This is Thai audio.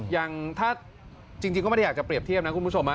อย่างถ้าจริงก็ไม่ได้อยากจะเรียบเทียบนะคุณผู้ชม